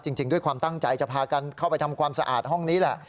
จริงด้วยความตั้งใจจะพากันเข้าไปทำความสะอาดห้องนี้แหละ